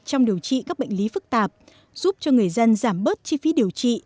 trong điều trị các bệnh lý phức tạp giúp cho người dân giảm bớt chi phí điều trị